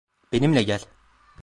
Benimle gel!